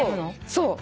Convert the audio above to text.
そう。